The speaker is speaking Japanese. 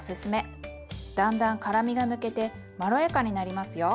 だんだん辛みが抜けてまろやかになりますよ。